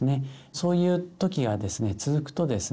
そういう時がですね続くとですね